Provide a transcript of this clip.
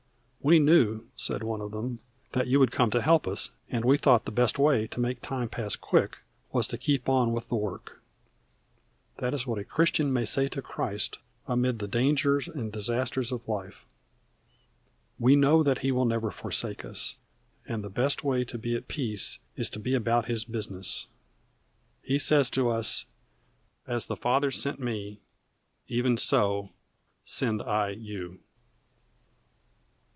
"We knew," said one of them, "that you'd come to help us, and we thought the best way to make time pass quick was to keep on with the work." That is what a Christian may say to Christ amid the dangers and disasters of life. We know that He will never forsake us, and the best way to be at peace is to be about His business. He says to us: "As the Father sent me, even so send I you."